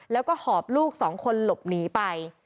แล้วก็หอบลูกสองคนหลบหนีไป